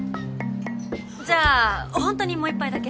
じゃあホントにもう一杯だけ。